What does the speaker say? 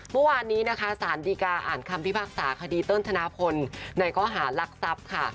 เมื่อวานนี้นะคะสารดีกาอ่านคำพิพากษาคดีเติ้ลธนาพลในข้อหารักทรัพย์ค่ะ